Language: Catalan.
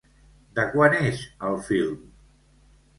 De quan és el film?